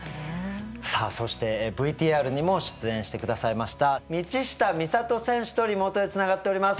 さあそしてＶＴＲにも出演してくださいました道下美里選手とリモートでつながっております。